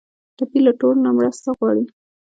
ټپي له ټولو نه مرسته غواړي.